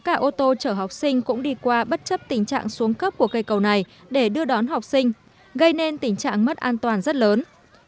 cả ô tô chở học sinh cũng đi qua bất chấp tình trạng xuống cấp của cây cầu này để đưa đón học sinh gây nên tình trạng mất an toàn rất lớn